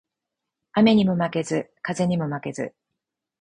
雨ニモ負ケズ、風ニモ負ケズ